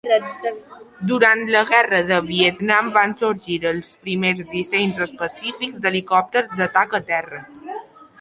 Durant la Guerra de Vietnam van sorgir els primers dissenys específics d'helicòpters d'atac a terra.